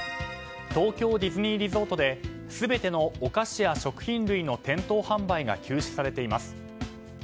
東京ディズニーリゾートで全てのお菓子や食品類の店頭販売が休止されています。